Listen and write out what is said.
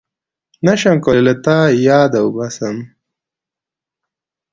نشم کولای تا له ياده وباسم